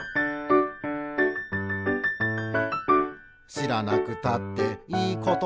「しらなくたっていいことだけど」